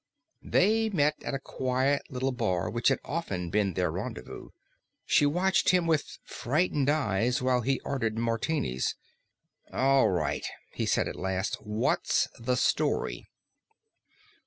They met at a quiet little bar which had often been their rendezvous. She watched him with frightened eyes while he ordered martinis. "All right," he said at last. "What's the story?"